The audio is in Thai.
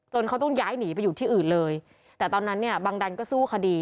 เขาต้องย้ายหนีไปอยู่ที่อื่นเลยแต่ตอนนั้นเนี่ยบังดันก็สู้คดี